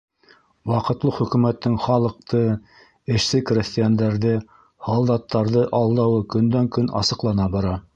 Ваҡытлы хөкүмәттең халыҡты, эшсе-крәҫтиәндәрҙе, һалдаттарҙы алдауы көндән-көн асыҡлана бара.